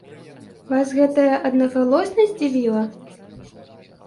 Вас гэтая аднагалоснасць здзівіла?